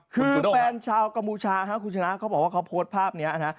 คือแฟนชาวกัมพูชาคุณชนะเขาบอกว่าเขาโพสต์ภาพนี้นะ